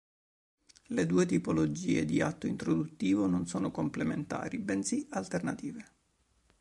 Le due tipologie di atto introduttivo non sono complementari bensì alternative.